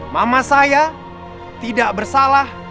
mama saya tidak bersalah